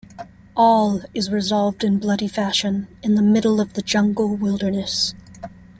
All is resolved in bloody fashion in the middle of the jungle wilderness.